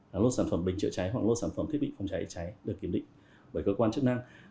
là lô sản phẩm bình chữa cháy hoặc lô sản phẩm thiết bị phòng cháy cháy được kiểm định bởi cơ quan chức năng